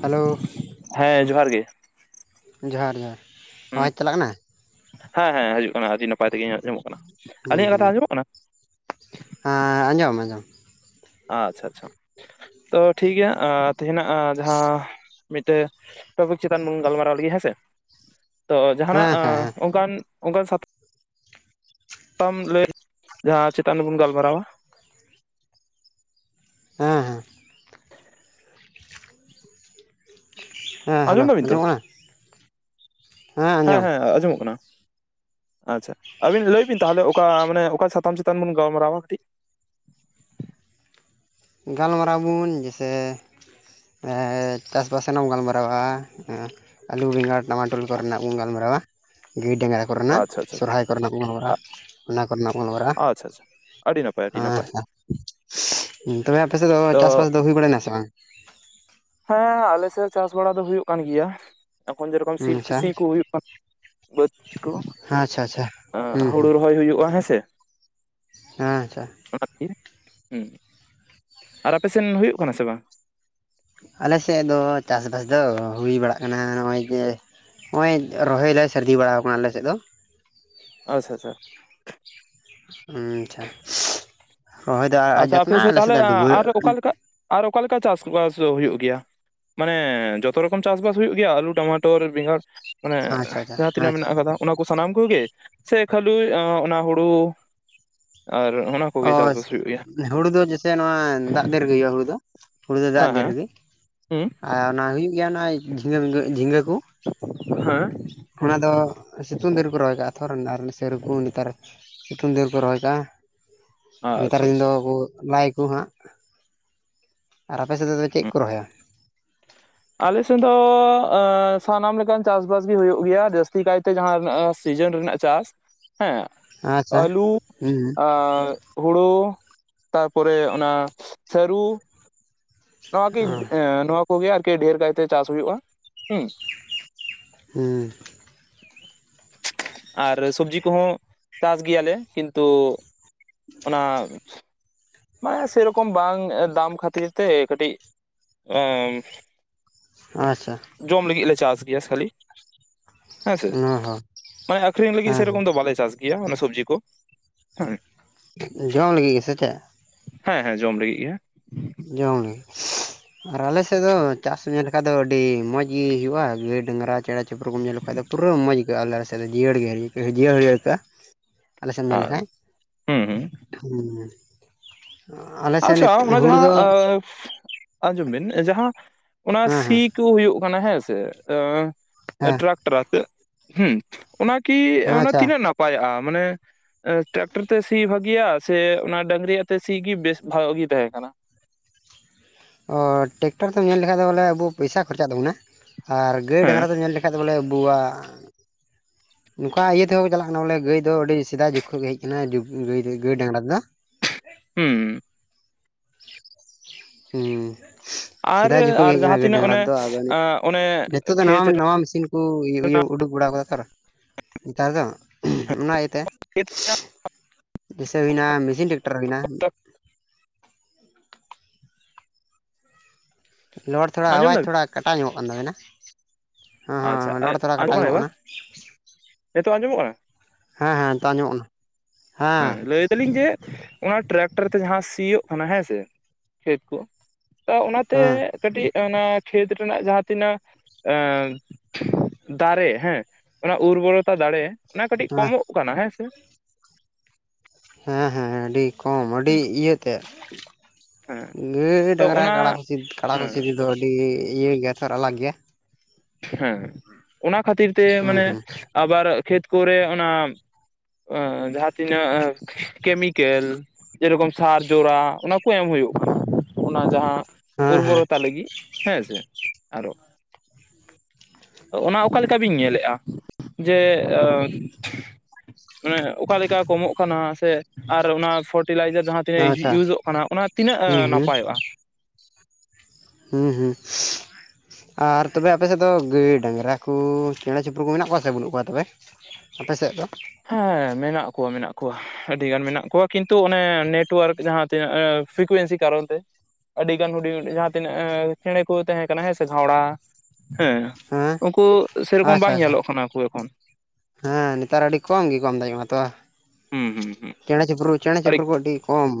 [inaudible] Hello ᱦᱮᱸ ᱡᱚᱦᱟᱨ ᱜᱮ ᱾ ᱡᱚᱦᱟᱨ ᱡᱚᱦᱟᱨ ᱦᱩᱸ ᱟᱣᱟᱡᱽ ᱪᱟᱞᱟᱜ ᱠᱟᱱᱟ? ᱦᱮᱸ ᱦᱮᱸ ᱦᱤᱡᱩᱜ ᱠᱟᱱᱟ ᱟᱹᱰᱤ ᱱᱟᱯᱟᱭ ᱛᱮᱜᱮ ᱟᱸᱡᱚᱢᱚᱜ ᱠᱟᱱᱟ, ᱦᱩᱸ ᱟᱞᱤᱧᱟᱜ ᱦᱩᱸ ᱠᱟᱛᱷᱟ ᱟᱸᱡᱚᱢᱚᱜ ᱠᱟᱱᱟ? ᱦᱮᱸ ᱟᱸᱡᱚᱢ ᱟᱸᱡᱚᱢ ᱟᱪᱪᱷᱟ ᱟᱪᱪᱷᱟ ᱛᱚ ᱴᱷᱤᱠᱜᱮᱭᱟ ᱛᱦᱮᱱᱟᱸᱜ ᱡᱟᱦᱟᱸ ᱢᱤᱫᱴᱮᱱ ᱴᱚᱯᱤᱠ ᱪᱮᱛᱟᱱ ᱵᱚᱱ ᱜᱟᱞᱢᱟᱨᱟᱣ ᱞᱟᱹᱜᱤᱫ ᱦᱮᱸᱥᱮ, ᱛᱚ ᱡᱟᱦᱟ ᱱᱟᱸᱜ ᱦᱮᱸ ᱦᱮᱸ ᱦᱮᱸ ᱚᱱᱠᱟᱱ ᱚᱱᱠᱟᱱ ᱥᱟᱛᱼᱼ ᱢ [unintelligible] ᱞᱟᱹᱭ ᱡᱟᱦᱟᱸ ᱪᱮᱛᱟᱱ ᱨᱮᱵᱚᱱ ᱜᱟᱞᱢᱟᱨᱟᱣᱟ ᱾ ᱦᱮᱸ ᱦᱮᱸ ᱦᱮᱸ ᱟᱸᱡᱚᱢ ᱦᱮᱞᱳ ᱫᱟᱵᱤᱱ ᱛᱚ ᱟᱸᱡᱚᱢᱚᱜ ᱠᱟᱱᱟ? ᱦᱮᱸ ᱦᱮᱸ ᱟᱸᱡᱚᱢᱚᱜ ᱠᱟᱱᱟ᱾ ᱟᱪᱪᱷᱟ, ᱟᱹᱵᱤᱱ ᱞᱟᱹᱭ ᱵᱤᱱ ᱛᱟᱦᱚᱞᱮ ᱚᱠᱟ ᱢᱟᱱᱮ ᱚᱠᱟ ᱥᱟᱛᱟᱢ ᱪᱮᱛᱟᱱ ᱵᱚᱱ ᱜᱟᱞᱢᱟᱨᱟᱣᱟ ᱠᱟᱹᱴᱤᱡ? ᱜᱟᱞᱢᱟᱨᱟᱣ ᱵᱚᱱ ᱡᱮᱭᱥᱮ ᱮᱻ ᱪᱟᱥᱵᱟᱥ ᱨᱮᱱᱟᱝ ᱮᱢ ᱜᱟᱞ ᱢᱟᱨᱟᱣᱟ᱾ ᱟᱞᱩ ᱵᱮᱸᱜᱟᱲ ᱴᱟᱢᱟ ᱴᱚᱞ ᱠᱚᱨᱮᱱᱟᱜ ᱵᱚᱱ ᱜᱟᱞᱢᱟᱨᱟᱣᱟ, ᱜᱟᱹᱭ ᱰᱟᱝᱨᱟ ᱠᱚᱨᱮᱱᱟᱜ ᱟᱪᱪᱷᱟ ᱟᱪᱪᱷᱟ ᱥᱚᱨᱦᱟᱭ ᱠᱚᱨᱮᱱᱟᱜ ᱵᱚᱱ ᱜᱟᱞᱢᱟᱨᱟᱜᱼᱟ, ᱚᱱᱟ ᱠᱚᱨᱮᱱᱟᱜ ᱵᱚᱱ ᱨᱟᱜᱼᱟ [unintelligible] ᱟᱪᱪᱷᱟ ᱟᱪᱪᱷᱟ ᱟᱹᱰᱤ ᱱᱟᱯᱟᱭ ᱟᱹᱰᱤ ᱱᱟᱯᱟᱭ ᱚᱱᱛᱮᱨᱮ ᱟᱯᱮ ᱥᱮᱫ ᱫᱚ ᱛᱚ ᱪᱟᱥ ᱵᱟᱥ ᱫᱚ ᱦᱩᱭ ᱵᱟᱲᱟᱭᱱᱟ ᱥᱮ ᱵᱟᱝ? ᱦᱮᱸ ᱟᱞᱮ ᱥᱮᱫ ᱪᱟᱥ ᱵᱟᱲᱟ ᱫᱚ ᱦᱩᱭᱩᱜ ᱠᱟᱱ ᱜᱮᱭᱟ, ᱮᱠᱷᱚᱱ ᱡᱮᱨᱚᱠᱚᱢ ᱥᱤᱞ ᱟᱪᱪᱷᱟ ᱥᱤ ᱠᱚ ᱦᱩᱭᱩᱜ ᱠᱟᱱᱟ᱾ ᱵᱟᱹᱫᱽ ᱠᱚ, ᱟᱪᱪᱷᱟ ᱟᱪᱪᱷᱟ ᱦᱩᱸ ᱦᱩᱸ ᱦᱩᱲᱩ ᱨᱚᱦᱚᱭ ᱦᱩᱭᱩᱜᱼᱟ ᱦᱮᱸᱥᱮ ᱾ ᱦᱮᱸ ᱟᱪᱪᱷᱟ ᱦᱩᱸ [unintelligible] ᱟᱨ ᱟᱯᱮ ᱥᱮᱱ ᱦᱩᱭᱩᱜ ᱠᱟᱱᱟ ᱥᱮ ᱵᱟᱝ? ᱟᱞᱮ ᱥᱮᱫ ᱫᱚ ᱪᱟᱥ ᱵᱟᱥ ᱫᱚ ᱦᱩᱭ ᱵᱟᱲᱟᱜ ᱠᱟᱱᱟ ᱱᱚᱜᱼᱚᱭ ᱡᱮ ᱱᱚᱜᱼᱚᱭ ᱨᱚᱦᱚᱭ ᱞᱮ ᱥᱟᱹᱨᱫᱤ ᱵᱟᱲᱟᱣ ᱟᱠᱟᱱᱟ ᱟᱞᱮ ᱥᱮᱫ ᱫᱚ᱾ ᱟᱪᱪᱷᱟ ᱟᱪᱪᱷᱟ ᱟᱪᱪᱷᱟ, ᱨᱚᱦᱚᱭ ᱫᱚ ᱟᱪᱪᱷᱟ ᱟᱯᱮ ᱡᱚᱛᱱᱟᱜ ᱟᱞᱮ ᱛᱟᱦᱚᱞᱮ ᱥᱮᱫ ᱰᱩᱵᱟᱹᱜ ᱟᱨ ᱚᱠᱟᱞᱮᱠᱟ ᱟᱨ ᱚᱠᱟ ᱞᱮᱠᱟ ᱪᱟᱥ ᱵᱟᱥ ᱦᱩᱭᱩᱜ ᱜᱮᱭᱟ? ᱢᱟᱱᱮ ᱡᱚᱛᱚ ᱨᱚᱠᱚᱢ ᱪᱟᱥ ᱵᱟᱥ ᱦᱩᱭᱩᱜ ᱜᱮᱭᱟ ᱟᱞᱩ, ᱴᱟᱢᱟᱴᱚᱨ, ᱵᱮᱸᱜᱟᱲ ᱢᱟᱱᱮ ᱟᱪᱪᱷᱟ ᱟᱪᱪᱷᱟ ᱡᱟᱦᱟᱸ ᱛᱤᱱᱟᱹᱜ ᱟᱪᱪᱷᱟ ᱢᱮᱱᱟᱜ ᱟᱠᱟᱫᱟ᱾ ᱚᱱᱟ ᱠᱚ ᱥᱟᱱᱟᱢ ᱠᱚᱜᱮ ᱥᱮ ᱠᱷᱟᱹᱞᱤ ᱚᱱᱟ ᱦᱩᱲᱩ? ᱟᱨ ᱚᱱᱟ ᱚ ᱠᱚᱜᱮ ᱪᱟᱥᱵᱟᱥ ᱦᱩᱭᱩᱜ ᱜᱮᱭᱟ᱾ ᱦᱩᱲᱩ ᱫᱚ ᱡᱮᱭᱥᱮ ᱱᱚᱣᱟ ᱫᱟᱜ ᱫᱤᱱ ᱨᱮᱜᱮ ᱦᱩᱭᱩᱜᱼᱟ, ᱦᱩᱲᱩ ᱫᱚ ᱦᱩᱲᱩ ᱫᱚ ᱫᱟᱜ ᱦᱮᱸ ᱫᱤᱱ ᱦᱮᱸ ᱨᱮᱜᱮ ᱟᱨ ᱟᱨ ᱦᱩᱭᱩᱜ ᱜᱮᱭᱟ ᱚᱱᱟ ᱡᱷᱤᱸᱜᱟᱹ ᱢᱤᱜᱟᱹ ᱡᱷᱤᱸᱜᱟᱹ ᱠᱚ ᱾ [inaudible] ᱦᱩᱸ ᱚᱱᱟ ᱫᱚ, ᱥᱤᱛᱩᱝ ᱫᱤᱱ ᱨᱮᱠᱚ ᱨᱚᱦᱚᱭ ᱠᱟᱜᱼᱟ ᱛᱷᱚᱨ ᱥᱮ ᱚᱨᱠᱚᱢ ᱱᱮᱛᱟᱨᱼᱼ ᱥᱤᱛᱩᱝ ᱫᱤᱱ ᱨᱮᱠᱚ ᱨᱚᱦᱚᱭ ᱠᱟᱜᱼᱟ ᱾ ᱱᱮᱛᱟᱨ ᱟᱪᱪᱷᱟ ᱫᱤᱱ ᱫᱚ ᱟᱪᱪᱷᱟ ᱞᱟᱭ ᱟᱠᱚ ᱦᱟᱸᱜ, ᱟᱨ ᱟᱯᱮ ᱥᱮᱫ ᱫᱚ ᱪᱮᱫ ᱠᱚ ᱨᱚᱦᱚᱭᱟ? ᱟᱞᱮ ᱥᱮᱫ ᱫᱚ ᱥᱟᱱᱟᱢ ᱞᱮᱠᱟᱱ ᱪᱟᱥ ᱵᱟᱥ ᱜᱤ ᱦᱩᱭᱩᱜ ᱜᱮᱭᱟ ᱡᱟᱹᱥᱛᱤ ᱠᱟᱭᱛᱮ ᱡᱟᱦᱟᱸᱱᱟᱜ ᱥᱤᱡᱤᱱ ᱨᱮᱱᱟᱜ ᱪᱟᱥ ᱦᱮᱸ ᱟᱪᱪᱷᱟ ᱟᱹᱞᱩ, ᱦᱩᱸ ᱟᱨ ᱦᱩᱲᱩ, ᱛᱟᱨᱯᱚᱨᱮ ᱚᱱᱟ ᱥᱟᱹᱨᱩ ᱾ ᱱᱚᱣᱟᱠᱤ ᱚ ᱮ ᱱᱚᱣᱟ ᱠᱚᱜᱮ ᱟᱨᱠᱤ ᱰᱷᱮᱨ ᱠᱟᱭᱛᱮ ᱪᱟᱥ ᱦᱩᱭᱩᱜᱼᱟ ᱦᱩᱸ᱾ ᱦᱮᱸ ᱟᱨ ᱥᱚᱵᱡᱤ ᱠᱚᱦᱚᱸ ᱪᱟᱥ ᱜᱮᱭᱟᱞᱮ ᱠᱤᱱᱛᱩ ᱚᱱᱟ ᱢᱟᱱᱮ ᱥᱮ ᱨᱚᱠᱚᱢ ᱵᱟᱝ ᱫᱟᱢ ᱠᱷᱟᱹᱛᱤᱨ ᱛᱮ ᱠᱟᱹᱴᱤᱡ ᱟᱪᱪᱷᱟ ᱡᱚᱢ ᱞᱟᱹᱜᱤᱫ ᱞᱮ ᱪᱟᱥ ᱜᱮᱭᱟ ᱠᱷᱟᱹᱞᱤ ᱾ ᱦᱮᱸᱥᱮ ᱚ ᱦᱚᱸ ᱢᱟᱱᱮ ᱟᱠᱷᱨᱤᱧ ᱞᱟᱹᱜᱤᱫ ᱦᱮᱸ ᱥᱮᱨᱚᱠᱚᱢ ᱫᱚ ᱵᱟᱞᱮ ᱪᱟᱥ ᱜᱮ ᱾ ᱜᱮᱭᱟ ᱚᱱᱟ ᱥᱚᱵᱡᱤ ᱠᱚ ᱦᱮᱸ ᱾ ᱡᱚᱢ ᱞᱟᱹᱜᱤᱫ ᱜᱮᱥᱮ ᱪᱮᱫ? ᱦᱮᱸ ᱦᱮᱸ ᱡᱚᱢ ᱞᱟᱹᱜᱤᱫ ᱜᱮ ᱾ ᱡᱚᱢ ᱞᱟᱹᱜᱤᱫ ᱜᱮ ᱟᱨ ᱟᱞᱮ ᱥᱮᱫ ᱫᱚ ᱪᱟᱥ ᱧᱮᱞ [unintelligible] ᱫᱚ ᱟᱹᱰᱤ ᱢᱚᱡᱽ ᱜᱮ ᱦᱩᱭᱩᱜᱼᱟ ᱾ ᱜᱟᱹᱭ ᱰᱟᱝᱨᱟ ᱪᱮᱬᱮ ᱪᱤᱯᱨᱩ ᱧᱮᱞ ᱞᱮᱠᱟᱱ ᱫᱚ ᱯᱩᱨᱟᱹ ᱢᱚᱡᱽ ᱜᱮ ᱾ ᱟᱞᱮ ᱥᱮᱫ ᱫᱚ ᱡᱤᱭᱟᱹᱲ ᱟᱹᱭᱠᱟᱹᱜᱼᱟ ᱡᱤᱭᱟᱹᱲ ᱟᱹᱭᱠᱟᱹᱜᱼᱟ ᱟᱞᱮ ᱥᱮᱫ ᱮᱢ ᱧᱮᱞ ᱟᱨ ᱞᱮᱠᱷᱟᱱ ᱦᱩᱸ ᱦᱩᱸ ᱾ ᱦᱩᱸ ᱟᱞᱮ ᱥᱮ ᱱᱤᱛ ᱦᱩᱲᱩ ᱫᱚ [unintelligible] ᱟᱸᱡᱚᱢ ᱵᱤᱱ ᱡᱟᱦᱟᱸ ᱚᱱᱟ ᱦᱮᱸ ᱥᱤ ᱦᱮᱸ ᱪᱤᱠᱟᱹᱣ ᱦᱩᱭᱩᱜ ᱠᱟᱱᱟ ᱦᱮᱸᱥᱮ ᱦᱮᱸ ᱴᱨᱟᱠ ᱴᱟᱨ ᱟᱛᱮ ᱦᱮᱸ ᱾ ᱚᱱᱟ ᱠᱤ ᱦᱮᱸ ᱚᱱᱟ ᱟᱪᱪᱷᱟ ᱛᱤᱱᱟᱹᱜ ᱱᱟᱯ ᱟᱭᱚᱜᱼᱟ ᱢᱟᱱᱮ ᱴᱮᱨᱟᱠ ᱴᱟᱨ ᱛᱮ ᱥᱤ ᱵᱷᱟᱜᱤᱭᱟ ᱥᱮ ᱚᱱᱟ ᱰᱟᱝᱨᱤᱭᱟᱜ ᱛᱮ ᱥᱤ ᱜᱮ ᱵᱮᱥ [unintelligible] ᱜᱮ ᱛᱟᱦᱮᱸ ᱠᱟᱱᱟ ᱾ ᱚᱻ ᱴᱮᱠᱴᱟᱨ ᱛᱮᱢ ᱧᱮᱞ ᱞᱮᱠᱷᱟᱱ ᱫᱚ ᱵᱚᱞᱮ ᱟᱵᱚ ᱯᱚᱭᱥᱟ ᱠᱷᱚᱨᱪᱟᱜ ᱛᱟᱵᱚᱱᱟ ᱾ ᱟᱨ ᱜᱟᱹᱭ ᱦᱮᱸ ᱰᱟᱝᱨᱟ ᱫᱚ ᱧᱮᱞ ᱞᱮᱠᱷᱟᱡ ᱫᱚ ᱵᱚᱞᱮ ᱟᱵᱚᱣᱟᱜ ᱱᱚᱝᱠᱟ ᱤᱭᱟᱹ ᱛᱮᱦᱚᱸ ᱠᱚ ᱪᱟᱞᱟᱜ ᱠᱟᱱᱟ ᱵᱚᱞᱮ ᱜᱟᱹᱭ ᱫᱚ ᱟᱹᱰᱤ ᱥᱮᱫᱟᱭ ᱡᱩᱜᱽ ᱜᱮ ᱦᱮᱡ ᱟᱠᱟᱱᱟ᱾ [unintelligible] ᱜᱟᱹᱭ ᱰᱟᱝᱨᱟ ᱫᱚ᱾ ᱦᱩᱸᱻ ᱦᱩᱸ ᱟᱨ ᱥᱮᱫᱟᱭ ᱡᱩᱜᱽ ᱠᱷᱚᱡ ᱜᱮ ᱟᱨ ᱦᱮᱡ ᱡᱟᱦᱟᱸ ᱟᱠᱟᱱᱟ ᱜᱟᱹᱭ ᱛᱤᱱᱟᱹᱜ ᱰᱟᱝᱨᱟ ᱚᱱᱮ ᱫᱚ ᱟᱫᱚ ᱟᱸ ᱚᱱᱮ ᱱᱤᱛᱚᱜ ᱫᱚ ᱱᱟᱣᱟ, ᱠᱷᱮᱛ ᱨᱮ ᱱᱟᱣᱟ ᱢᱮᱥᱤᱱ ᱠᱚ ᱤᱭᱟᱹ ᱤᱭᱟᱹ ᱩᱰᱩᱠ ᱵᱟᱲᱟ ᱟᱠᱟᱫᱟ ᱛᱚ ᱱᱮᱛᱟᱨ ᱫᱚ ᱚᱱᱟ ᱤᱭᱟᱹᱛᱮ ᱾ [unintelligible] ᱡᱮᱭᱥᱮ ᱦᱩᱭ ᱱᱟ ᱢᱮᱥᱤᱱ ᱴᱨᱟᱠᱴᱟᱨ ᱦᱩᱭ ᱱᱟ᱾ ᱨᱚᱲ ᱛᱷᱚᱲᱟ ᱟᱸᱡᱚᱢ ᱟᱣᱟᱡ ᱫᱟᱵᱤᱱ ᱛᱷᱚᱲᱟ ᱠᱟᱴᱟᱣ ᱧᱚᱜᱚᱜ ᱠᱟᱱ ᱛᱟᱵᱮᱱᱟ ᱾ ᱟᱪᱪᱷᱟ ᱦᱮᱸᱻ ᱞᱚᱲ ᱛᱷᱚᱲᱟ ᱟᱸᱡᱚᱢᱚᱜ ᱠᱟᱴᱟᱣ ᱧᱚᱜᱚᱜ ᱮᱵᱟᱨ ᱠᱟᱱᱟ ᱱᱤᱛᱚᱜ ᱟᱸᱡᱚᱢᱚᱜ ᱠᱟᱱᱟ ᱾ ᱦᱮᱸ ᱦᱮᱸ ᱱᱤᱛᱚᱜ ᱟᱡᱚᱢᱚᱜ ᱠᱟᱱᱟ ᱾ ᱦᱮᱸ ᱞᱟᱹᱭ ᱫᱟᱞᱤᱧ ᱡᱮ ᱚᱱᱟ ᱴᱨᱟᱠᱴᱟᱨ ᱛᱮ ᱡᱟᱦᱟᱸ ᱥᱤᱭᱳᱜ ᱠᱟᱱᱟ ᱦᱮᱸ ᱥᱮ, ᱠᱷᱮᱛ ᱠᱚ ᱚᱱᱟ ᱛᱮ ᱦᱮᱸ ᱠᱟᱹᱴᱤᱡ ᱚᱱᱟ ᱠᱷᱮᱛ ᱨᱮᱱᱟᱜ ᱡᱟᱦᱟᱸ ᱛᱤᱱᱟᱹᱜ ᱫᱟᱲᱮ ᱦᱮᱸ ᱚᱱᱟ ᱩᱨᱵᱚᱨᱚᱛᱟ ᱫᱟᱲᱮ ᱚᱱᱟ ᱠᱟᱹᱴᱤᱡ ᱦᱮᱸ ᱠᱚᱢᱚᱜ ᱠᱟᱱᱟ ᱦᱮᱸ ᱥᱮ ᱦᱮᱸ ᱦᱮᱸ ᱟᱹᱰᱤ ᱠᱚᱢ ᱟᱹᱰᱤ ᱤᱭᱟᱹᱛᱮᱜ ᱦᱮᱸ ᱜᱟᱹᱭ ᱛᱚ ᱰᱟᱝᱨᱟ ᱚᱱᱟ ᱦᱮᱸ [unintelligible] ᱫᱚ ᱟᱹᱰᱤ ᱤᱭᱟᱹ ᱜᱮᱭᱟ ᱟᱞᱟᱜᱽ ᱜᱮᱭᱟ ᱾ ᱦᱮᱸ ᱚᱱᱟ ᱠᱷᱟᱹᱛᱤᱨ ᱛᱮ ᱦᱩᱸ ᱢᱟᱱᱮ ᱦᱩᱸ ᱟᱵᱟᱨ ᱠᱷᱮᱛ ᱠᱚᱨᱮ ᱚᱱᱟ ᱡᱟᱦᱟᱸ ᱛᱤᱱᱟᱹᱜ ᱠᱮᱢᱤᱠᱮᱞ ᱡᱮᱨᱚᱠᱚᱢ ᱥᱟᱨ ᱡᱚᱨᱟ ᱚᱱᱟ ᱠᱚ ᱮᱢ ᱦᱩᱭᱩᱜ ᱠᱟᱱᱟ ᱾ ᱚᱱᱟ ᱡᱟᱦᱟᱸ ᱦᱮᱸ ᱦᱮᱸ ᱩᱨᱵᱚᱨᱚᱛᱟ ᱞᱟᱹᱜᱤᱫ ᱦᱮᱸ ᱥᱮ ᱟᱨᱚ ᱚᱱᱟ ᱚᱠᱟ ᱞᱮᱠᱟ ᱵᱤᱱ ᱧᱮᱞᱮᱜᱼᱟ? ᱡᱮ ᱢᱟᱱᱮ ᱚᱠᱟ ᱞᱮᱠᱟ ᱠᱚᱢᱚᱜ ᱠᱟᱱᱟ ᱥᱮ ᱟᱨ ᱚᱱᱟ ᱯᱷᱟᱨᱴᱤᱞᱟᱭᱡᱟᱨ ᱡᱟᱦᱟᱸ ᱛᱮ ᱟᱪᱪᱷᱟ ᱤᱭᱩᱡᱚᱜ ᱠᱟᱱᱟ ᱚᱱᱟ ᱛᱤᱱᱟᱹᱜ ᱦᱩᱸ ᱦᱩᱸ ᱱᱟᱯᱟᱭᱚᱜᱼᱟ? ᱦᱮᱸ ᱦᱮᱸ ᱟᱨ ᱛᱚᱵᱮ ᱟᱯᱮ ᱥᱮᱫ ᱫᱚ ᱜᱟᱹᱭ ᱰᱟᱝᱨᱟ ᱠᱚ ᱪᱮᱬᱮ ᱪᱤᱯᱨᱩ ᱠᱚ ᱢᱮᱱᱟᱜ ᱠᱚᱣᱟ ᱥᱮ ᱵᱟᱹᱱᱩᱜ ᱠᱚᱣᱟ ᱛᱚᱵᱮ? ᱟᱯᱮ ᱥᱮᱫ ᱫᱚ ᱦᱮᱸ ᱢᱮᱱᱟᱜ ᱠᱚᱣᱟ ᱢᱮᱱᱟᱜ ᱠᱚᱣᱟ ᱾ ᱟᱹᱰᱤᱜᱟᱱ ᱢᱮᱱᱟᱜ ᱠᱚᱣᱟ ᱾ ᱠᱤᱱᱛᱩ ᱚᱱᱮ ᱱᱮᱴᱳᱣᱟᱨᱠ ᱡᱟᱦᱟᱸ ᱛᱤᱱᱟᱹᱜ ᱯᱷᱨᱤᱠᱩᱭᱮᱱᱥᱤ ᱠᱟᱨᱚᱱ ᱛᱮ ᱟᱹᱰᱤ ᱜᱟᱱ ᱦᱩᱰᱤᱧ-ᱦᱤᱰᱤᱧ ᱡᱟᱦᱟᱸ ᱛᱤᱱᱟᱹᱜ ᱪᱮᱬᱮ ᱠᱚ ᱛᱟᱦᱮᱸ ᱠᱟᱱᱟ ᱦᱮᱸ ᱥᱮ ᱜᱷᱟᱣᱲᱟ ᱦᱮᱸ ᱦᱮᱸ ᱩᱱᱠᱩ ᱥᱮ ᱨᱚᱠᱚᱢ ᱟᱪᱪᱷᱟ ᱵᱟᱝ ᱟᱪᱪᱷᱟ ᱧᱮᱞᱚᱜ ᱠᱟᱱᱟ ᱠᱚ ᱮᱠᱷᱚᱱ ᱾ ᱦᱮᱸ ᱱᱮᱛᱟᱨ ᱟᱹᱰᱤ ᱠᱚᱢ ᱜᱮ ᱠᱚᱢ [unintelligible] ᱛᱚ ᱦᱩᱸ ᱦᱩᱸ ᱦᱩᱸ ᱾ ᱪᱮᱬᱮ ᱪᱤᱯᱨᱩ ᱪᱮᱬᱮ ᱪᱤᱯᱨᱩ ᱠᱚ ᱟᱹᱰᱤ ᱠᱚᱢ,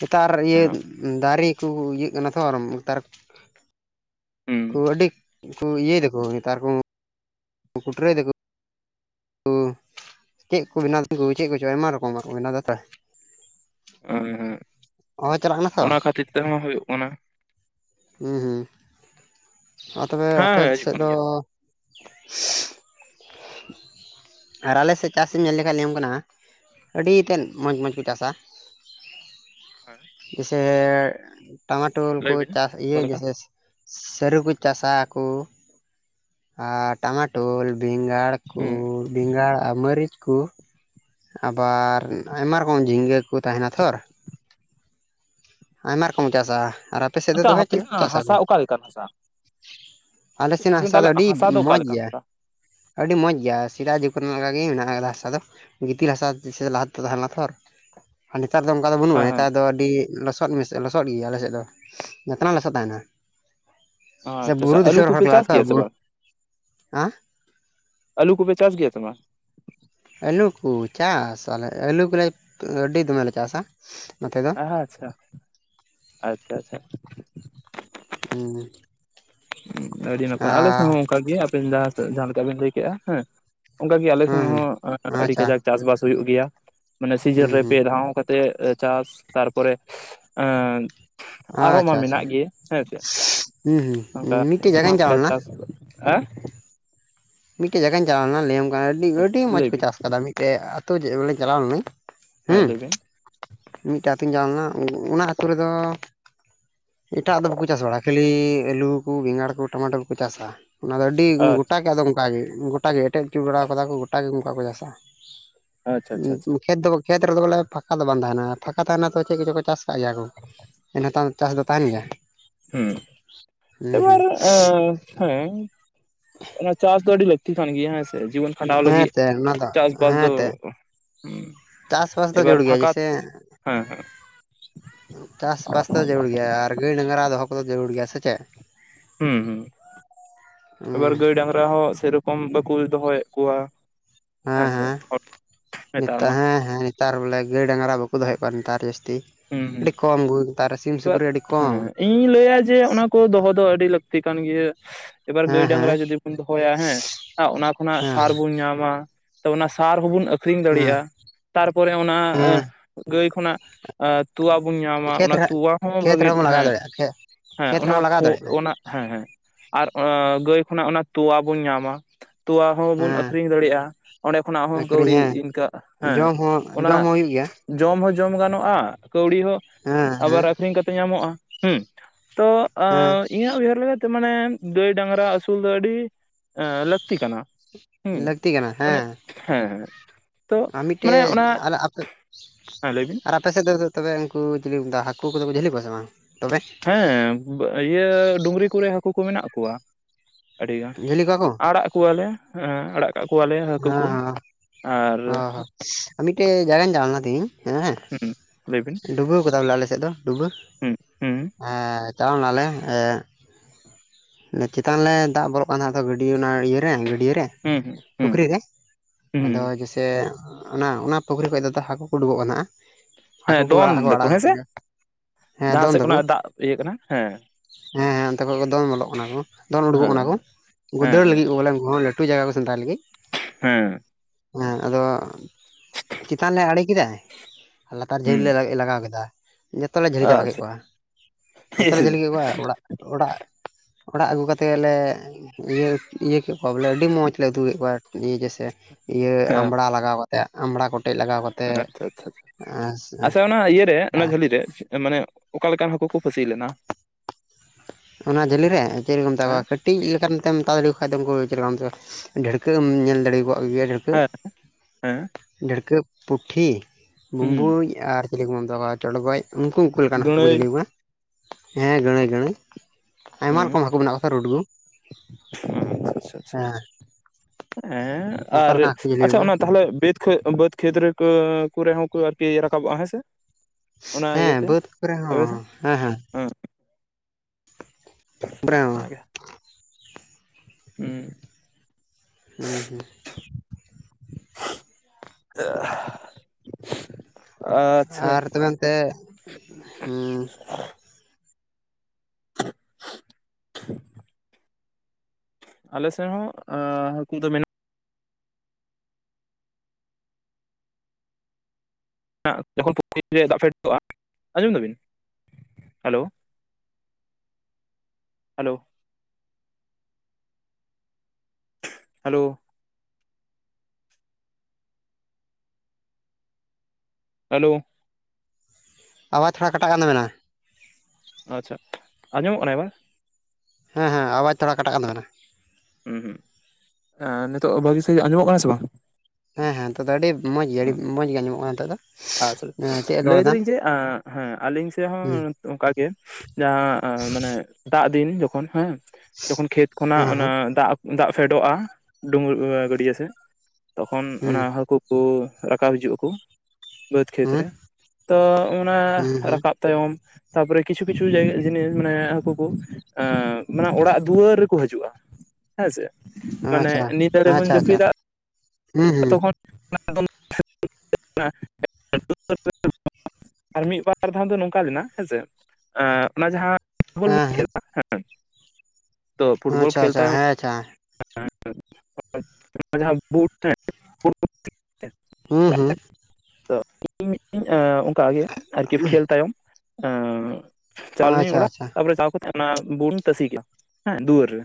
ᱱᱮᱛᱟᱨ ᱤᱭᱟᱹ ᱦᱩᱸ ᱫᱟᱨᱮ ᱠᱚ ᱤᱭᱟᱹᱜ ᱠᱟᱱᱟ ᱛᱷᱚ ᱟᱨ ᱱᱮᱛᱟᱨ ᱦᱮᱸ ᱠᱚ ᱟᱹᱰᱤ ᱠᱚ ᱤᱭᱟᱹᱭ ᱫᱟᱠᱚ ᱱᱮᱛᱟᱨ ᱠᱚ ᱠᱩᱴᱨᱟᱹᱭ ᱫᱟᱠᱳ ᱾ ᱩ ᱪᱮᱫ ᱠᱚ ᱵᱮᱱᱟᱣ ᱫᱟᱠᱩ ᱪᱮᱫ ᱠᱚᱪᱚ ᱟᱭᱢᱟ ᱨᱚᱠᱚᱢᱟᱜ ᱠᱚ ᱵᱮᱱᱟᱣ ᱫᱟᱛᱚ ᱾ ᱩᱸᱜ ᱦᱚᱸ ᱪᱟᱞᱟᱜ ᱠᱟᱱᱟ ᱛᱚ ᱚᱱᱟ ᱠᱷᱟᱹᱛᱤᱨ ᱛᱮᱦᱚᱸ ᱦᱩᱭᱩᱜ ᱠᱟᱱᱟ ᱾ ᱩᱸ ᱦᱩᱸ, ᱟᱨ ᱛᱚᱵᱮ ᱦᱮᱸ ᱟᱯᱮ ᱦᱮᱸ ᱦᱤᱡᱩᱜ ᱥᱮᱫ ᱠᱟᱱ ᱫᱚ ᱜᱮᱭᱟ ᱟᱨ ᱟᱞᱮ ᱥᱮᱫ ᱪᱟᱥ ᱮᱢ ᱧᱮᱞ ᱞᱮᱠᱷᱟᱡ ᱞᱟᱹᱭᱟᱢ ᱠᱟᱱᱟ ᱾ ᱟᱹᱰᱤ ᱛᱮᱫ ᱢᱚᱡᱽ ᱢᱚᱡᱽ ᱠᱚ ᱪᱟᱥᱟ ᱾ ᱦᱚᱭ ᱾ ᱤᱥᱮ ᱴᱟᱢᱟᱴᱳᱞ ᱠᱚ ᱞᱟᱹᱭ ᱵᱤᱱ ᱪᱟᱥ ᱚᱠᱟ ᱤᱭᱟᱹ ᱞᱮᱠᱟ ᱡᱮᱥᱮ‌ ᱥᱟᱹᱨᱩ ᱠᱚ ᱪᱟᱥᱟ ᱠᱩ ᱟᱨ ᱴᱟᱢᱟᱴᱳᱞ ᱵᱮᱸ ᱟ ᱠᱩ ᱦᱮᱸ ᱵᱮᱸᱜᱟᱲ, ᱟᱨ ᱢᱟᱹᱨᱤᱪ ᱠᱩ ᱾ ᱟᱵᱟᱨ ᱟᱭᱢᱟ ᱨᱚᱠᱚᱢ ᱡᱷᱤᱸᱜᱟᱹ ᱠᱚ ᱛᱟᱦᱮᱱᱟ ᱟᱪᱪᱷᱟ ᱛᱷᱚᱨ ᱾ ᱟᱭᱢᱟ ᱨᱚᱠᱚᱢ ᱪᱟᱥᱟ ᱾ ᱟᱨ ᱟᱯᱮ ᱥᱮᱫ ᱫᱚ ᱟᱪᱪᱷᱟ ᱛᱚᱵᱮ ᱟᱯᱮ ᱪᱮᱫᱠᱟ ᱠᱚ ᱥᱮᱱᱟᱜ ᱪᱟᱥᱟ ᱠᱚ? ᱦᱟᱥᱟ ᱚᱠᱟ ᱞᱮᱠᱟᱱ ᱦᱟᱥᱟ ᱟᱞᱮ ᱥᱮᱱᱟᱜ ᱦᱟᱥᱟ ᱫᱚ ᱛᱟᱦᱚᱞᱮ ᱟᱹᱰᱤ ᱚᱠᱟ ᱢᱚᱡᱽ ᱞᱮᱠᱟᱱ ᱜᱮᱭᱟ ᱾ ᱦᱟᱥᱟ? ᱟᱹᱰᱤ ᱢᱚᱸᱡᱽ ᱜᱮᱭᱟ ᱥᱮᱫᱟᱭ ᱡᱩᱜᱽ ᱨᱮᱱᱟᱜ ᱞᱮᱠᱟ ᱜᱮ ᱢᱮᱱᱟᱜ ᱠᱟᱫᱟ ᱦᱟᱥᱟ ᱫᱚ ᱾ ᱜᱤᱛᱤᱞ ᱦᱟᱥᱟ ᱥᱮ ᱞᱟᱦᱟ ᱛᱮᱫᱚ ᱛᱟᱦᱮ ᱞᱮᱱᱟ ᱛᱷᱚᱨ ᱟᱨ ᱱᱮᱛᱟᱨ ᱫᱚ ᱚᱱᱠᱟ ᱫᱚ ᱵᱟᱹᱱᱩᱜ-ᱟ ᱦᱮᱸ ᱦᱮᱸ ᱱᱮᱛᱟᱨ ᱫᱚ ᱟᱹᱰᱤ ᱞᱚᱥ ᱠᱟᱫ ᱢᱮᱥ ᱞᱚᱥᱚᱫ ᱜᱮᱭᱟ ᱟᱞᱮ ᱥᱮᱫ ᱫᱚ ᱡᱚᱛᱚᱱᱟᱝ ᱞᱚᱥᱚᱫ ᱛᱟᱦᱮᱱᱟ ᱾ ᱪᱟ ᱟᱪᱪᱷᱟ ᱟᱪᱪᱷᱟ ᱵᱩᱨᱩ ᱫᱤᱥᱚᱢ ᱟᱹᱞᱩ ᱨᱮ ᱦᱚᱲ [unintelligible] ᱠᱚᱯᱮ ᱪᱟᱥ ᱛᱚ ᱜᱮᱭᱟ ᱥᱮ ᱵᱩᱨ ᱵᱟᱝ? ᱟᱸ ᱟᱹᱞᱩ ᱠᱚᱯᱮ ᱪᱟᱥ ᱜᱮᱭᱟ ᱥᱮ ᱵᱟᱝ? ᱟᱹᱞᱩ ᱠᱚ ᱪᱟᱥ, ᱟᱞᱮ ᱟᱹᱞᱩ ᱠᱚᱞᱮ ᱟᱹᱰᱤ ᱫᱚᱢᱮ ᱞᱮ ᱪᱟᱥᱟ ᱱᱚᱛᱮ ᱫᱚ ᱾ ᱟᱪᱪᱷᱟ, ᱟᱪᱪᱷᱟ ᱟᱪᱪᱷᱟ ᱾ ᱩᱸ ᱾ ᱟᱹᱰᱤ ᱱᱟᱯᱟᱭ, ᱟᱞᱮ ᱥᱮᱜ ᱦᱚᱸ ᱚᱝᱠᱟ ᱜᱮ ᱟᱵᱤᱱ ᱡᱟᱦᱟᱸ ᱥᱮᱫ ᱡᱟᱦᱟᱸ ᱞᱮᱠᱟ ᱵᱮᱱ ᱞᱟᱹᱭ ᱠᱮᱜ-ᱟ ᱦᱮᱸ ᱾ ᱚᱝᱠᱟ ᱜᱮ ᱟᱞᱮ ᱥᱮᱜ ᱦᱩᱸ ᱦᱚᱸ ᱦᱩᱸ ᱟᱹᱰᱤ ᱟᱪᱪᱷᱟ ᱠᱟᱡᱟᱠ ᱪᱟᱥᱵᱟᱥ ᱦᱩᱭᱩᱜ ᱜᱮᱭᱟ ᱢᱟᱱᱮ ᱥᱤᱡᱤᱱ ᱦᱩᱸ ᱨᱮ ᱦᱩᱸ ᱯᱮ ᱫᱷᱟᱣ ᱠᱟᱛ ᱛᱮ ᱪᱟᱥ ᱛᱟᱨᱯᱚᱨᱮ ᱟᱸ ᱟᱨᱦᱚᱸ ᱢᱟ ᱟᱪᱪᱷᱟ ᱟᱪᱪᱷᱟ ᱢᱮᱱᱟᱜ ᱜᱮ ᱦᱮᱸᱥᱮ ᱾ ᱦᱩᱸ ᱦᱩᱸ ᱚᱝᱠᱟ ᱢᱤᱫᱴᱮᱡ ᱡᱟᱭᱜᱟᱧ ᱥᱟᱱᱟᱢ ᱪᱟᱞᱟᱣ ᱞᱮᱱᱟ [unintelligible] ᱪᱟᱥ, ᱦᱮᱸ ᱢᱤᱫᱴᱮᱡ ᱡᱟᱭᱜᱟᱧ ᱪᱟᱞᱟᱣ ᱞᱮᱱᱟ ᱞᱟᱹᱭᱟᱢ ᱠᱟᱱᱟ ᱟᱹᱰᱤ ᱟᱹᱰᱤ ᱢᱚᱡᱽ ᱞᱟᱹᱭ ᱠᱚ ᱵᱤᱱ ᱪᱟᱥ ᱠᱟᱫᱟ ᱢᱤᱫᱴᱮᱡ ᱟᱛᱩ ᱡᱮ ᱵᱚᱞᱮᱧ ᱪᱟᱞᱟᱣ ᱞᱮᱱᱟᱹᱧ ᱾ ᱦᱮᱸ ᱦᱩᱸ, ᱞᱟᱹᱭ ᱵᱤᱱ ᱢᱤᱫᱴᱟᱡ ᱟᱛᱩᱧ ᱡᱟᱣ ᱞᱮᱱᱟ ᱚᱱᱟ ᱟᱛᱳ ᱨᱮᱫᱚ ᱮᱴᱟᱜ ᱟᱜ ᱫᱚ ᱵᱟᱠᱚ ᱪᱟᱥ ᱵᱟᱲᱟ ᱠᱷᱟᱹᱞᱤ ᱟᱹᱞᱩ ᱠᱩ ᱵᱮᱸᱜᱟᱲ ᱠᱚ ᱴᱟᱢᱟᱴᱳᱨ ᱠᱚ ᱪᱟᱥᱟ ᱾ ᱚᱱᱟ ᱫᱚ ᱟᱹᱰᱤ ᱜᱚᱴᱟ ᱜᱮ ᱟᱫᱚ ᱚᱝᱠᱟ ᱜᱮ ᱜᱚᱴᱟ ᱜᱮ ᱮᱴᱮᱫ ᱪᱚ ᱵᱟᱲᱟ ᱠᱟᱫᱟ ᱠᱚ ᱜᱚᱴᱟᱜ ᱜᱮ ᱚᱝᱠᱟ ᱠᱚ ᱪᱟᱥᱟ ᱟᱪᱪᱷᱟ ᱟᱪᱪᱷᱟ ᱾ ᱟᱪᱪᱷᱟ ᱩᱸ ᱠᱷᱮᱛ ᱫᱚ ᱠᱷᱮᱛ ᱨᱮᱫᱚ ᱵᱚᱞᱮ ᱯᱷᱟᱸᱠᱟ ᱫᱚ ᱵᱟᱝ ᱛᱟᱦᱮᱱᱟ, ᱯᱷᱟᱸᱠᱟ ᱛᱟᱦᱮᱱᱟ ᱛᱚ ᱪᱮᱫ ᱠᱚᱪᱚ ᱠᱚ ᱪᱟᱥ ᱠᱟᱜ ᱜᱮᱭᱟ ᱠᱚ ᱾ ᱮᱱᱟᱛᱟᱝ ᱪᱟᱥ ᱫᱚ ᱛᱟᱦᱮᱱ ᱜᱮᱭᱟ ᱾ ᱦᱩᱸ ᱮᱵᱟᱨ ᱟᱸ ᱦᱮᱸ ᱚᱱᱟ ᱪᱟᱥ ᱫᱚ ᱟᱹᱰᱤ ᱞᱟᱹᱠᱛᱤ ᱠᱟᱱ ᱜᱮᱭᱟ ᱦᱮᱸᱥᱮ ᱡᱤᱵᱚᱱ ᱠᱷᱟᱸᱰᱟᱣ ᱦᱩᱸ ᱞᱟᱹᱜᱤᱫ ᱦᱮᱸᱛᱮ ᱚᱱᱟ ᱫᱚ ᱪᱟᱥᱵᱟᱥ ᱫᱚ ᱦᱮᱸᱛᱮ ᱦᱮᱸ ᱪᱟᱥᱵᱟᱥ ᱫᱚ ᱮᱵᱟᱨ ᱯᱷᱟᱠᱟ, ᱦᱮᱸ ᱦᱮᱸ ᱾ ᱪᱟᱥ ᱵᱟᱥ ᱫᱚ ᱡᱟᱹᱨᱩᱲ ᱜᱮᱭᱟ, ᱟᱨ ᱜᱟᱹᱭ ᱰᱟᱝᱨᱟ ᱫᱚᱦᱚ ᱠᱚᱫᱚ ᱡᱟᱹᱨᱩᱲ ᱜᱮᱭᱟ ᱥᱮ ᱪᱮᱜ? ᱦᱩᱸ ᱦᱩᱸ ᱦᱩᱸ ᱮᱵᱟᱨ ᱜᱟᱹᱭ ᱰᱟᱝᱨᱟ ᱦᱚᱸ ᱥᱮᱨᱚᱠᱚᱢ ᱵᱟᱠᱚ ᱫᱚᱦᱚᱭᱮᱜ ᱠᱚᱣᱟ ᱾ ᱦᱮᱸ ᱦᱮᱸ, ᱱᱮᱛᱟᱨ ᱱᱤᱛᱟ ᱢᱟ ᱦᱮᱸ ᱦᱮᱸ ᱛᱟᱨ ᱵᱚᱞᱮ ᱜᱟᱹᱭ ᱰᱟᱝᱨᱟ ᱵᱟᱠᱚ ᱫᱚᱦᱚᱭᱮᱜ ᱠᱚᱣᱟ ᱱᱮᱛᱟᱨ ᱡᱟᱹᱥᱛᱤ ᱦᱩᱸ ᱾ ᱦᱩᱸ ᱟᱹᱰᱤ ᱠᱚᱢ [unintelligible] ᱥᱤᱢ ᱥᱩᱠᱨᱤ ᱟᱹᱰᱤ ᱠᱚᱢ ᱾ ᱤᱧᱟᱹᱧ ᱞᱟᱹᱭᱟ ᱡᱮ ᱚᱱᱟ ᱠᱚ ᱫᱚᱦᱚ ᱫᱚ ᱟᱹᱰᱤ ᱞᱟᱹᱠᱛᱤ ᱠᱟᱱ ᱜᱮᱭᱟᱹ ᱾ ᱮᱵᱟᱨ ᱜᱟᱹᱭ ᱦᱮᱸ ᱦᱮᱸ ᱰᱟᱝᱨᱟ ᱡᱩᱫᱤ ᱵᱚᱱ ᱫᱚᱦᱚᱭᱟ ᱦᱮᱸ ᱚᱱᱟ ᱠᱷᱚᱱᱟᱜ ᱦᱮᱸ ᱥᱟᱨ ᱵᱚᱱ ᱧᱟᱢᱟ ᱾ ᱛᱚ ᱚᱱᱟ ᱥᱟᱨ ᱦᱚᱸᱵᱚᱱ ᱟᱹᱷᱨᱤᱧ ᱦᱮᱸ ᱫᱟᱲᱮᱭᱟᱜ-ᱟ, ᱛᱟᱨᱯᱚᱨᱮ ᱚᱱᱟ ᱦᱮᱸ ᱜᱟᱹᱭ ᱠᱷᱚᱱᱟᱜ ᱟ ᱛᱚᱣᱟ ᱵᱚᱱ ᱧᱟᱢᱟ ᱠᱷᱮᱛ ᱚᱱᱟ ᱨᱮ ᱛᱚᱣᱟ ᱦᱚᱸ ᱠᱷᱮᱛ ᱵᱷᱟᱜᱤ ᱨᱮᱦᱚᱸᱢ ᱞᱟᱜᱟᱣ ᱦᱮᱸ ᱫᱟᱲᱮᱭᱟᱜᱼᱟ ᱠᱷᱮᱛ ᱦᱮᱸ ᱠᱷᱮᱛ ᱚᱱᱟ ᱨᱮᱦᱚᱸᱢ ᱞᱟᱜᱟᱣ ᱠᱷᱚ ᱫᱟᱲᱮᱭᱟᱜᱼᱟ ᱚᱱᱟ ᱦᱮᱸ ᱦᱮᱸ᱾ ᱟᱨ ᱚᱱᱟ ᱜᱟᱹᱭ ᱠᱷᱚᱱᱟᱜ ᱚᱱᱟ ᱛᱚᱣᱟ ᱵᱚᱱ ᱧᱟᱢᱟ᱾ ᱛᱳᱣᱟ ᱦᱚᱸᱵᱚᱱ ᱦᱮᱸ ᱟᱹᱷᱨᱤᱧ ᱫᱟᱹᱲᱤᱜ-ᱟ ᱚᱸᱰᱮ ᱠᱷᱚᱱᱟᱜ ᱦᱚᱸ ᱟᱹᱠᱷᱨᱤᱧ ᱠᱟᱹᱣᱰᱤ ᱦᱮᱸ ᱤᱱᱠᱟᱜ-ᱟ᱾ ᱡᱚᱢ ᱦᱚᱸ ᱡᱚᱢ ᱦᱚᱸ ᱦᱩᱭᱩᱜ ᱜᱮᱭᱟ᱾ ᱡᱚᱢ ᱦᱚᱸ ᱡᱚᱢ ᱜᱟᱱᱚᱜ-ᱟ, ᱠᱟᱹᱣᱲᱤ ᱦᱚᱸ ᱦᱮᱸ ᱟᱵᱟᱨ ᱦᱮᱸ ᱟᱹᱠᱷᱨᱤᱧ ᱠᱟᱛᱮ ᱧᱟᱢᱚ-ᱟ᱾ ᱦᱩᱸ᱾ ᱛᱚ ᱦᱮᱸ ᱤᱧᱟᱜ ᱩᱭᱦᱟᱹᱨ ᱞᱮ ᱛᱚ ᱢᱟᱱᱮ ᱜᱟᱹᱭ ᱰᱟᱝᱨᱟ ᱟᱹᱥᱩᱞ ᱫᱚ ᱟᱹᱰᱤ ᱟᱺ ᱞᱟᱹᱠᱛᱤ ᱠᱟᱱᱟ᱾ ᱦᱩᱸ ᱞᱟᱹᱠᱛᱤ ᱠᱟᱱᱟ ᱢᱟᱱᱮ ᱦᱮᱸ᱾ ᱦᱮᱸ ᱦᱮᱸ᱾ ᱛᱚ ᱟ ᱢᱟᱱᱮ ᱢᱤᱫᱴᱟᱹᱡ ᱚᱱᱟ ᱦᱮᱸ ᱞᱟᱹᱭ ᱵᱤᱱ [unintelligible] ᱟᱯᱮ ᱥᱮᱫ ᱫᱚ [unintelligible] ᱛᱚᱵᱮ ᱩᱱᱠᱩ ᱪᱤᱞᱤ ᱢᱮᱛᱟ ᱠᱚᱣᱟ, ᱦᱟᱹᱠᱩ ᱠᱚᱫᱚ ᱠᱚ ᱡᱷᱟᱹᱞᱤ ᱠᱚᱣᱟ ᱥᱮ ᱵᱟᱝ, ᱛᱚᱵᱮ? ᱦᱮᱸ, ᱤᱭᱟᱹ ᱰᱩᱝᱨᱤ ᱠᱚᱨᱮ ᱦᱟᱹᱠᱩ ᱠᱚ ᱢᱮᱱᱟᱜ ᱠᱚᱣᱟ᱾ ᱟᱹᱰᱤ ᱜᱟᱱ᱾ ᱡᱷᱟᱹᱞᱤ ᱠᱚᱣᱟ ᱠᱚ ᱟᱲᱟᱜ ᱠᱚᱣᱟᱞᱮ᱾ ᱮᱸ ᱟᱲᱟᱜ ᱠᱚᱣᱟᱞᱮ ᱦᱟᱹᱠᱩ ᱠᱚ ᱟᱨ ᱢᱤᱫᱴᱟᱹᱡ ᱡᱟᱭᱜᱟᱧ ᱪᱟᱞᱟᱣ ᱞᱮᱱᱟ ᱛᱮᱦᱮᱧ ᱦᱮᱸ᱾ ᱦᱩᱸ ᱞᱟᱹᱭ ᱵᱤᱱ ᱰᱩᱵᱟᱹᱣ ᱠᱟᱫᱟ ᱞᱮ ᱟᱞᱮᱥᱮᱫ ᱫᱚ᱾ ᱰᱩᱵᱟᱹ᱾ ᱦᱩᱸ ᱦᱩᱸ ᱪᱟᱞᱟᱣ ᱞᱮᱱᱟ ᱞᱮ ᱮ ᱪᱮᱛᱟᱱ ᱞᱮ ᱫᱟᱜ ᱵᱚᱞᱚᱜ ᱠᱟᱱᱟ, ᱟᱫᱚ ᱜᱟᱹᱰᱤ ᱚᱱᱟ ᱤᱭᱟᱹᱨᱮ ᱜᱟᱹᱰᱭᱟᱹᱨ ᱨᱮ᱾ ᱦᱩᱸ ᱦᱩᱸ᱾ ᱯᱩᱠᱷᱚᱨᱤ ᱨᱮ᱾ ᱟᱫᱚ ᱦᱩᱸ ᱡᱟᱥᱮ ᱚᱱᱟ ᱚᱱᱟ ᱯᱩᱠᱷᱚᱨᱤ ᱠᱷᱚᱡ ᱟᱫᱚ ᱦᱟᱹᱠᱩ ᱠᱚ ᱩᱰᱩᱵᱚᱜ ᱠᱟᱱᱟ᱾ ᱦᱮᱸ ᱦᱟᱹᱠᱩ ᱠᱚ ᱫᱚᱱ ᱟᱲᱟᱜ ᱫᱚᱠᱚ ᱫᱟᱠᱚ ᱟᱲᱟᱜ ᱠᱟᱜ ᱠᱚ ᱦᱮᱸᱥᱮ ᱜᱮᱭᱟ᱾ ᱦᱮᱸ, ᱡᱟᱦᱟᱸ ᱫᱚᱱ ᱥᱮᱫ ᱫᱚᱠᱚ᱾ ᱠᱷᱚᱱᱟᱜ ᱫᱟᱜ ᱤᱭᱟᱹ ᱠᱟᱱᱟ ᱦᱮᱸ ᱦᱮᱸ ᱦᱮᱸ, ᱚᱱᱛᱮ ᱠᱷᱚᱡ ᱠᱚ ᱫᱚᱱ ᱵᱚᱞᱚᱜ ᱠᱟᱱᱟ ᱠᱚ, ᱫᱚᱱ ᱩᱰᱩᱠᱚᱜ ᱠᱟᱱᱟ ᱠᱚ, ᱦᱮᱸ ᱩᱱᱠᱩ ᱦᱮᱸ ᱫᱟᱹᱲ ᱦᱮᱸ ᱞᱟᱹᱜᱤᱫ ᱠᱚ ᱵᱚᱞᱮ ᱩᱱᱠᱩ ᱞᱟᱹᱴᱩ ᱡᱟᱭᱜᱟ [unintelligible] ᱦᱩᱸ᱾ ᱟᱸ ᱟᱫᱚ ᱪᱮᱛᱟᱱ ᱞᱮ ᱟᱲᱮ ᱠᱮᱫᱟ᱾ ᱞᱟᱛᱟᱨ ᱡᱷᱟᱹᱞᱤ ᱦᱩᱸ ᱞᱮ ᱞᱟᱹᱜ ᱞᱟᱜᱟᱣ ᱠᱮᱫᱟ᱾ ᱡᱚᱛᱚᱞᱮ ᱡᱷᱟᱹᱞᱤ ᱪᱟᱵᱟ ᱠᱮᱫ ᱟᱪᱪᱷᱟ ᱠᱚᱣᱟ᱾ ᱡᱚᱛᱚᱞᱮ ᱡᱷᱟᱹᱞᱤ ᱦᱮᱸ ᱠᱮᱫ ᱠᱚᱣᱟ, ᱚᱲᱟᱜ ᱚᱲᱟᱜ ᱚᱲᱟᱜ ᱟᱹᱜᱩ ᱠᱟᱛᱮᱫ ᱞᱮ ᱤᱭᱟᱹ ᱤᱭᱟᱹ ᱠᱮᱫ ᱠᱚᱣᱟ, ᱵᱚᱞᱮ ᱟᱹᱰᱤ ᱢᱚᱸᱡᱽ ᱞᱮ ᱩᱛᱩ ᱠᱮᱫ ᱠᱚᱣᱟ᱾ ᱤᱭᱟᱹ ᱡᱮᱥᱮ ᱤᱭᱟᱹ ᱟᱢᱵᱽᱲᱟ ᱞᱟᱜᱟᱣ ᱠᱟᱛᱮ, ᱟᱢᱵᱽᱲᱟ ᱠᱚᱴᱮᱡ ᱞᱟᱜᱟᱣ ᱠᱟᱛᱮᱫ᱾ [unintelligible] ᱟᱪᱪᱷᱟ ᱚᱱᱟ ᱤᱭᱟᱹ ᱨᱮ ᱚᱱᱟ ᱡᱷᱟᱹᱞᱤ ᱨᱮ ᱢᱟᱱᱮ ᱚᱠᱟ ᱞᱮᱠᱟᱱ ᱦᱟᱹᱠᱩ ᱠᱚ ᱯᱟᱹᱥᱤ ᱞᱮᱱᱟ? ᱚᱱᱟ ᱡᱷᱟᱹᱞᱤ ᱨᱮ᱾ ᱪᱤᱞᱤ ᱠᱚ ᱢᱮᱛᱟ ᱦᱮᱸ ᱠᱚᱣᱟ ᱴᱤᱡ ᱞᱮᱠᱟᱱ ᱛᱮᱢ ᱦᱟᱛᱟᱣ ᱫᱟᱲᱮ ᱠᱚ ᱠᱷᱟᱡ ᱫᱚ ᱩᱱᱠᱩ ᱪᱮᱫ ᱞᱮᱠᱟ [unintelligible] ᱰᱷᱟᱹᱲᱠᱟᱹᱜ ᱮᱢ ᱧᱮᱞ ᱫᱟᱲᱮᱣᱟᱫ ᱜᱮᱭᱟ ᱰᱷᱟᱹᱲ [unintelligible] ᱦᱮᱸ ᱦᱮᱸ᱾ ᱰᱷᱟᱹᱲᱠᱟᱹᱜ, ᱯᱩᱴᱷᱤ, ᱦᱩᱸ ᱵᱩᱸᱵᱩᱡ ᱟᱨ ᱪᱤᱞᱤ ᱠᱚ ᱢᱮᱛᱟ ᱠᱚᱣᱟ ᱪᱚᱲᱜᱚᱡ ᱩᱱᱠᱩ ᱩᱱᱠᱩ ᱞᱮᱠᱟᱱ ᱦᱟᱹᱠᱩ ᱠᱚ ᱜᱟᱹᱲᱟᱹᱭ ᱡᱷᱟᱹᱞᱤᱜᱼᱟ, ᱦᱮᱸ ᱜᱟᱹᱬᱟᱹᱭ, ᱜᱟᱹᱟᱹᱬᱟᱹᱭ᱾ ᱦᱩᱸᱻ᱾ ᱩᱦᱩᱸ ᱟᱪᱪᱷᱟ ᱟᱪᱪᱷᱟ ᱟᱪᱪᱷᱟ᱾ ᱦᱮᱸ ᱦᱮᱸ ᱚᱱᱠᱟ ᱟᱨ ᱞᱮᱠᱟᱱ ᱦᱟᱹᱠᱩ ᱡᱷᱟᱹᱞᱤ ᱠᱚ ᱟᱪᱪᱷᱟ ᱠᱟᱱᱟ ᱚᱱᱟ ᱛᱟᱦᱞᱮ ᱵᱮᱫᱽ ᱵᱟᱹᱫᱽ ᱠᱷᱮᱛ ᱨᱮᱠᱚ ᱠᱚ ᱨᱮ ᱦᱚᱸᱠᱚ ᱟᱨᱠᱤ ᱨᱟᱠᱟᱵᱚᱜᱼᱟ ᱦᱮᱸ ᱥᱮ? ᱚᱱᱟ ᱦᱮᱸ, ᱤᱭᱟᱹᱛᱮ ᱵᱟᱹᱫᱽ ᱠᱚᱨᱮ ᱟᱯᱮ ᱦᱚᱸ᱾ ᱥᱮᱫ ᱦᱮᱸ ᱦᱮᱸ᱾ [unintelligible] ᱠᱚᱨᱮ ᱦᱚᱸ ᱚᱱᱟ ᱜᱮ᱾ ᱩᱸ᱾ ᱩᱸ ᱦᱩᱸ᱾ [unintelligible] ᱟᱨ ᱟᱪᱪᱷᱟ ᱛᱚᱵᱮ ᱮᱱᱛᱮ? ᱦᱩᱸ᱾ [inaudible] ᱟᱞᱮ ᱥᱮᱱ ᱦᱚᱸ ᱦᱟᱹᱠᱩ ᱫᱚ ᱢᱮᱱᱟᱜ [unintelligible] ᱟᱸᱡᱚᱢ ᱫᱟᱵᱤᱱ? ᱦᱮᱞᱳ! ᱦᱮᱞᱳ! ᱦᱮᱞᱳ! ᱦᱮᱞᱳ! ᱟᱣᱟᱡᱽ ᱛᱷᱚᱲᱟ ᱠᱟᱴᱟᱜ ᱠᱟᱱ ᱛᱟᱵᱤᱱᱟ ᱾ ᱟᱪᱪᱷᱟ, ᱟᱸᱡᱚᱢᱚᱜ ᱠᱟᱱᱟ ᱮᱵᱟᱨ? ᱦᱮᱸ ᱦᱮᱸ ᱟᱣᱟᱡ ᱛᱷᱚᱲᱟ ᱠᱟᱴᱟᱜ ᱠᱟᱱ ᱛᱟᱵᱤᱱᱟ ᱾ ᱩᱸ ᱦᱩᱸᱜ ᱱᱤᱛᱚᱜ ᱵᱷᱟᱹᱜᱤ ᱥᱟᱦᱤᱡ ᱟᱸᱡᱚᱢᱚᱜ ᱠᱟᱱᱟ ᱥᱮ ᱵᱟᱝ? ᱦᱮᱸ ᱦᱮᱸ ᱱᱮᱛᱚᱜ ᱫᱚ ᱟᱹᱰᱤ ᱢᱚᱸᱡᱽ ᱜᱮᱭᱟ ᱟᱹᱰᱤ ᱦᱩᱸ ᱢᱚᱸᱡᱽ ᱜᱮ ᱟᱸᱡᱚᱢᱚᱜ ᱠᱟᱱᱟ ᱱᱤᱛᱚᱜ ᱫᱚ ᱾ ᱟᱪᱪᱷᱟ, ᱞᱟᱹᱭ ᱮᱫᱟᱞᱤᱧ ᱡᱮ ᱦᱮᱸ ᱟᱹᱞᱤᱧ ᱥᱮᱫ ᱦᱮᱸ ᱦᱚᱸ ᱚᱱᱠᱟ ᱜᱮᱼᱼ ᱡᱟᱦᱟᱸ ᱢᱟᱱᱮ ᱫᱟᱜ ᱫᱤᱱ ᱡᱚᱠᱷᱚᱱ ᱦᱮᱸ, ᱡᱚᱠᱷᱚᱱ ᱠᱷᱮᱛ ᱠᱷᱚᱱᱟᱜ ᱦᱮᱸ ᱚᱱᱟ ᱦᱮᱸ ᱫᱟᱜᱼᱼ ᱫᱟᱜ ᱯᱷᱮᱰᱚᱜ-ᱟ ᱰᱩᱢᱩ ᱜᱟᱹᱰᱭᱟᱹ ᱥᱮᱫ ᱛᱚᱠᱷᱚᱱ ᱦᱮᱸ ᱚᱱᱟ ᱦᱟᱹᱠᱩᱼᱼ ᱠᱚ ᱨᱟᱠᱟᱵ ᱦᱤᱡᱩᱜ ᱟᱠᱚ ᱵᱟᱹᱫᱽ ᱠᱷᱮᱛ ᱦᱮᱸ ᱨᱮ, ᱛᱚ ᱚᱱᱟ ᱦᱮᱸ ᱦᱮᱸ ᱨᱟᱠᱟᱵᱼᱼ ᱛᱟᱭᱚᱢ ᱛᱟᱨᱯᱚᱨᱮ ᱠᱤᱪᱷᱩ ᱠᱤᱪᱷᱩ ᱡᱟᱭᱜᱟ ᱡᱤᱱᱤᱥ ᱢᱟᱱᱮ ᱦᱟᱹᱠᱩ ᱠᱚᱼᱼ ᱮ ᱢᱟᱱᱮ ᱚᱲᱟᱜ ᱫᱩᱣᱟᱹᱨ ᱨᱮᱠᱚ ᱦᱤᱡᱩᱜ-ᱟ ᱾ ᱦᱮᱸᱥᱮ ᱢᱟᱱᱮ ᱟᱪᱪᱷᱟ ᱱᱤᱛ ᱟᱲᱮ ᱵᱚᱱ ᱟᱪᱪᱷᱟ ᱟᱪᱪᱷᱟ ᱡᱟᱹᱯᱤᱫᱟ ᱦᱩᱸ ᱦᱩᱸ ᱛᱚᱠᱷᱚᱱᱼᱼ [unintelligible] [unintelligible] ᱟᱨ ᱢᱤᱫ ᱵᱟᱨ ᱫᱷᱟᱣ ᱫᱚ ᱱᱚᱝᱠᱟ ᱞᱮᱱᱟ ᱦᱮᱸᱥᱮ ᱟᱸ ᱚᱱᱟ ᱡᱟᱦᱟᱸ ᱯᱷᱩᱴᱵᱚᱞ ᱦᱮᱸ ᱵᱚᱱ ᱦᱮᱸ ᱾ [unintelligible] ᱦᱟᱸ, ᱯᱷᱩᱴᱵᱚᱞ ᱟᱪᱪᱷᱟ ᱠᱷᱮᱞ ᱟᱪᱪᱷᱟ ᱛᱟᱭᱚᱢ ᱦᱮᱸ ᱟᱪᱷᱟ ᱾ [unintelligible] ᱡᱟᱦᱟᱸ [unintelligible] ᱦᱩᱸ ᱦᱩᱸ [unintelligible] ᱤᱧ ᱢᱤᱫ ᱟᱸ ᱠᱟ ᱜᱮ ᱟᱨ ᱟᱨᱠᱤᱴ ᱠᱷᱮᱞ ᱛᱟᱭᱚᱢ ᱦᱟᱸ ᱪᱟᱞᱟᱣ ᱤᱧ ᱟᱪᱪᱷᱟ ᱚᱲᱟᱜ ᱟᱪᱪᱷᱟ ᱛᱟᱯᱚᱨᱮ ᱪᱟᱞᱟᱣ ᱠᱟᱛᱮ ᱚᱱᱟ ᱵᱩᱱ ᱛᱟᱹᱥᱤ ᱠᱮᱭᱟ ᱦᱮᱸ ᱫᱩᱣᱟᱹᱨ ᱨᱮ,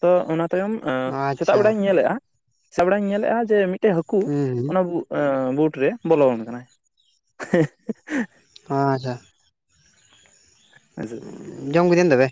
ᱛᱚ ᱚᱱᱟ ᱛᱟᱭᱚᱢ ᱟᱸ ᱥᱮᱛᱟᱜ ᱟᱪᱪᱷᱟ ᱵᱮᱲᱟᱧ ᱧᱮᱞᱮᱫ-ᱟ ᱥᱮᱛᱟᱜ ᱵᱮᱲᱟᱧ ᱧᱮᱞᱮᱜ-ᱟ ᱡᱮ ᱢᱤᱫᱴᱮᱡ ᱦᱟᱹᱠᱩ ᱦᱩᱸ ᱦᱩᱸ ᱚᱱᱟ ᱵᱩᱜ ᱟᱸ ᱵᱩᱴ ᱨᱮ ᱵᱚᱞᱚᱱ ᱠᱟᱱᱟᱭ [unintelligible] ᱟᱸᱪᱷᱟ ᱾ ᱦᱮᱥᱮ ᱾ ᱡᱚᱢ [unintelligible] ᱛᱚᱵᱮ